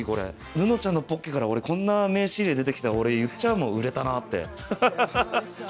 布ちゃんのポッケからこんな名刺入れ出て来たら俺言っちゃうもん売れたなってハハハ！